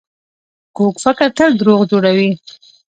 کوږ فکر تل دروغ جوړوي